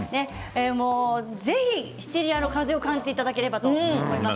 ぜひ、シチリアの風を感じていただければと思います。